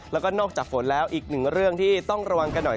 แล้วก็นอกจากฝนแล้วอีกหนึ่งเรื่องที่ต้องระวังกันหน่อย